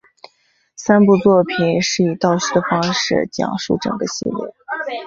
三部作品是以倒叙的方式讲述整个系列。